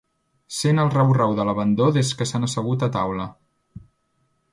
Sent el rau-rau de l'abandó des que s'han assegut a taula.